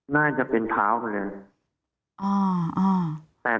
น่าจะเป็นเท้าไปเลย